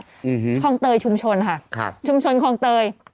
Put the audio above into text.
ชุมชนคลองเตยชุมชนค่ะชุมชนคลองเตย